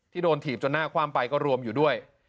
โดนถีบจนหน้าความไปก็รวมอยู่ด้วย